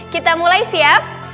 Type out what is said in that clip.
kita mulai siap